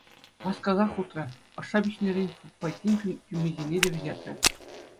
Васкасах утрӗ, ӑшша пиҫнӗрен фуфайкин тӳмисене те вӗҫертрӗ.